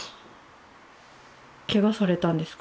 ケガされたんですか？